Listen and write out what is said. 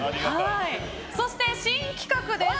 そして新企画です。